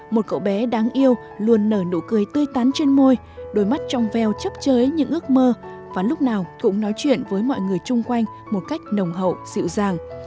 một cậu bé đáng yêu luôn nở nụ cười tươi tán trên môi đôi mắt trong veo chấp chới những ước mơ và lúc nào cũng nói chuyện với mọi người chung quanh một cách nồng hậu dịu dàng